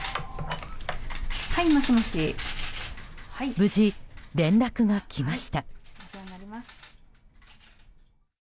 無事、連絡が来ました。